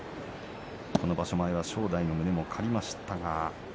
本場所前は正代の胸も借りました。